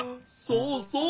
そうそう！